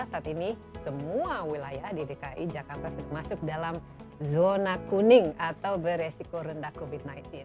saat ini semua wilayah di dki jakarta sudah masuk dalam zona kuning atau beresiko rendah covid sembilan belas